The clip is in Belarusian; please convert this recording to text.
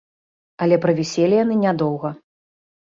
Але правіселі яны нядоўга.